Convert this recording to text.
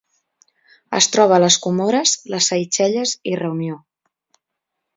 Es troba a les Comores les Seychelles i Reunió.